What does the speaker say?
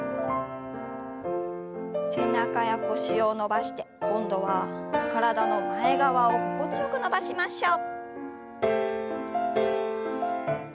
背中や腰を伸ばして今度は体の前側を心地よく伸ばしましょう。